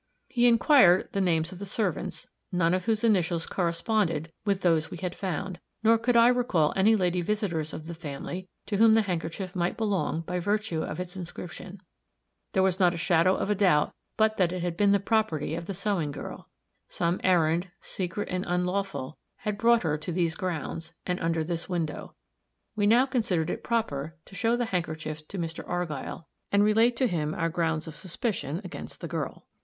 He inquired the names of the servants, none of whose initials corresponded with those we had found, nor could I recall any lady visitors of the family to whom the handkerchief might belong by virtue of its inscription. There was not the shadow of a doubt but that it had been the property of the sewing girl. Some errand, secret and unlawful, had brought her to these grounds, and under this window. We now considered it proper to show the handkerchief to Mr. Argyll, and relate to him our grounds of suspicion against the girl.